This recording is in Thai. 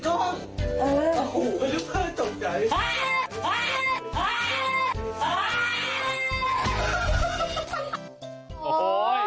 เออโอ้โหทุกเพื่อนตกใจ